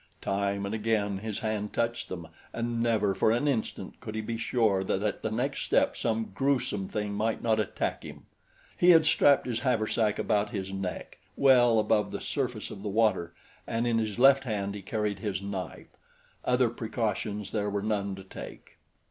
Time and again his hand touched them and never for an instant could he be sure that at the next step some gruesome thing might not attack him. He had strapped his haversack about his neck, well above the surface of the water, and in his left hand he carried his knife. Other precautions there were none to take.